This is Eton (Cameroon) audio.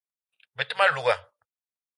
Be te ma louga